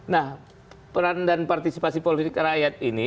nah peran dan partisipasi politik rakyat ini